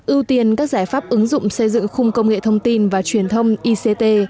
ưu tiên các giải pháp ứng dụng xây dựng khung công nghệ thông tin và truyền thông ict